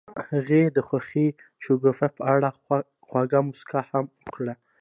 هغې د خوښ شګوفه په اړه خوږه موسکا هم وکړه.